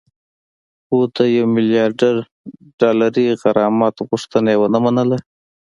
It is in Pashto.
خو د یو میلیارد ډالري غرامت غوښتنه یې ونه منله